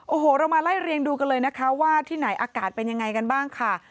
โอ้โหเรามาไล่เรียงดูกันเลยนะคะว่าที่ไหนอากาศเป็นยังไงกันบ้างค่ะ